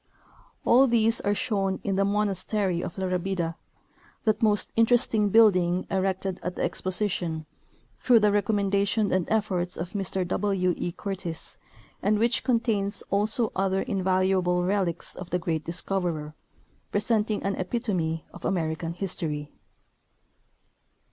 All these are shown in the monastery of La Rabida, that most interesting building erected at the Exposition through the recommendation and efforts of Mr W. E. Curtis, and which contains also other invalu able relics of the great discoverer, presenting an epitome of American history.